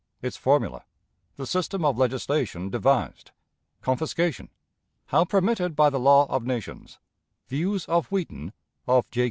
Its Formula. The System of Legislation devised. Confiscation. How permitted by the Law of Nations. Views of Wheaton; of J.